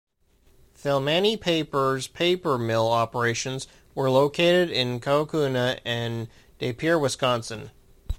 Thilmany Papers paper mill operations were located in Kaukauna and De Pere, Wisconsin.